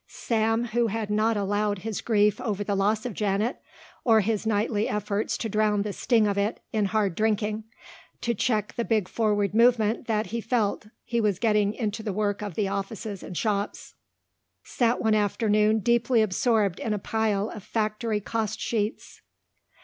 Sam, who had not allowed his grief over the loss of Janet or his nightly efforts to drown the sting of it in hard drinking, to check the big forward movement that he felt he was getting into the work of the offices and shops, sat one afternoon deeply absorbed in a pile of factory cost sheets.